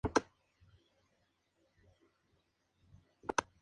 Gilmour usó varios estilos distintos en el álbum.